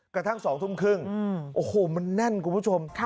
กระทั่ง๒ทุ่มครึ่งโอ้โหมันแน่นคุณผู้ชม